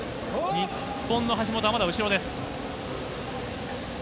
日本の橋本はまだ後ろです。